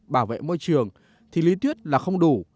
bảo vệ môi trường thì lý thuyết là không đủ